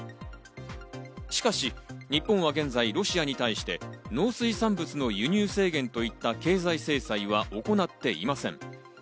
しかし日本は現在ロシアに対して農水産物の輸入制限といった経済制裁は行っていません。